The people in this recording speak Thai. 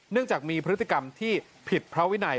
จากมีพฤติกรรมที่ผิดพระวินัย